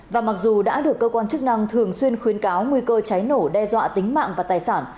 và mặc dù đã được cơ quan chức năng thường xuyên khuyến cáo nguy cơ cháy nổ đe dọa tính mạng và tài sản